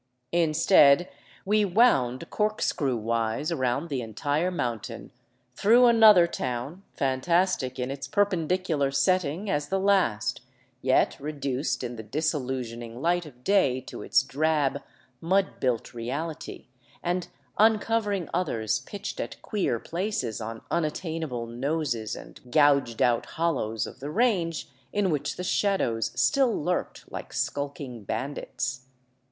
Instead, we 313 VAGABONDING DOWN THE ANDES wound corkscrew wise around the entire mountain, through another town, fantastic in its perpendicular setting as the last, yet reduced in the disillusioning light of day to its drab, mud built reality; and un covering others pitched at queer places on unattainable noses and gouged out hollows of the range in which the shadows still lurked like skulking bandits.